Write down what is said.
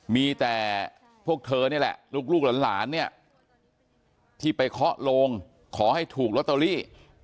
มีแต่พวกเธอนี่แหละลูกหลานเนี่ยที่ไปเคาะโลงขอให้ถูกลอตเตอรี่